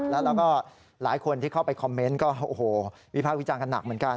แล้วก็หลายคนที่เข้าไปคอมเมนต์ก็โอ้โหวิพากษ์วิจารณ์กันหนักเหมือนกัน